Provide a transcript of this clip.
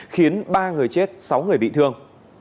khiến ba người chết sáu người bị thương